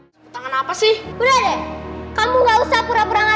sampai jumpa di video selanjutnya